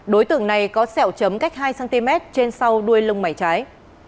đối tượng này có sẹo chấm cách hai cm trên sau đuôi lông mày trái